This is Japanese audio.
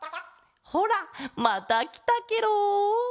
ほらまたきたケロ。